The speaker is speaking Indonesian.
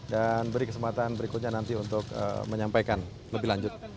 dan beri kesempatan berikutnya nanti untuk menyampaikan lebih lanjut